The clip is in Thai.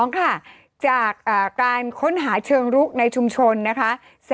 ๒ค่ะจากการค้นหาเชิงรุกในชุมชนนะคะ